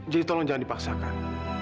jadi tolong jangan dipaksakan